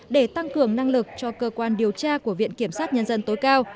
để tăng cường năng lực cho cơ quan điều tra của viện kiểm sát nhân dân tối cao